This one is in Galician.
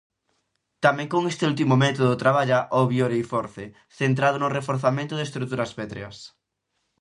Tamén con este último método traballa o Bioreinforce, centrado no reforzamento de estruturas pétreas.